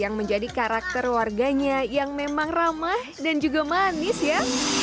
yang menjadi karakter warganya yang memang ramah dan juga manis ya